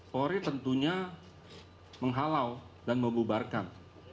polri tentunya menghalau dan membubarkan